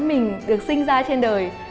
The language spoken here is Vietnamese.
mình được sinh ra trên đời